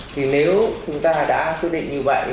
thì nếu chúng ta đã quyết định như vậy